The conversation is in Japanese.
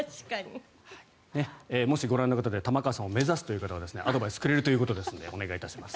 もしご覧の方で玉川さんを目指すという方はアドバイスくれるということですのでお願いします。